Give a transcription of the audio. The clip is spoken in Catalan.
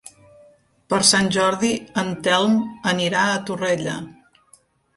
Per Sant Jordi en Telm anirà a Torrella.